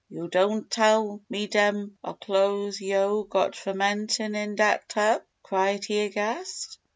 "Yo' don' tell me dem are cloe's yo' got fermentin' in dat tub," cried he aghast.